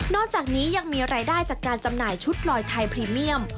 อกจากนี้ยังมีรายได้จากการจำหน่ายชุดลอยไทยพรีเมียม